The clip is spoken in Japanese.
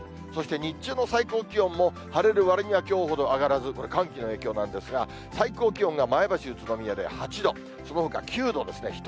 そして日中の最高気温も、晴れるわりにはきょうほど上がらず、これ、寒気の影響なんですが、最高気温が前橋、宇都宮で８度、そのほか９度ですね。